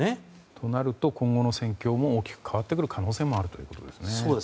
となると今後の戦況も大きく変わってくる可能性があるということですね。